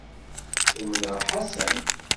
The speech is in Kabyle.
Umneɣ Ḥasan.